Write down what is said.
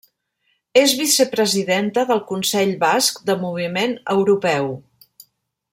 És Vicepresidenta del Consell Basc de Moviment Europeu.